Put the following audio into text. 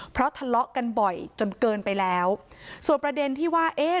เพราะทะเลาะกันบ่อยจนเกินไปแล้วส่วนประเด็นที่ว่าเอ๊ะ